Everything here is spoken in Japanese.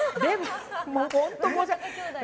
本当、申し訳ない。